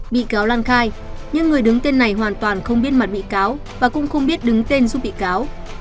bị cáo lan khai nhưng người đứng tên này hoàn toàn không biết mặt bị cáo và cũng không biết đứng tên giúp bị cáo